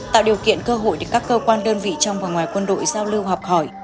tạo điều kiện cơ hội để các cơ quan đơn vị trong và ngoài quân đội giao lưu học hỏi